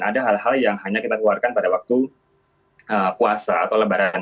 ada hal hal yang hanya kita keluarkan pada waktu puasa atau lebaran